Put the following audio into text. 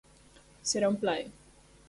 Serà un plaer.